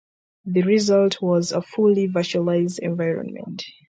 The result was a fully virtualized environment.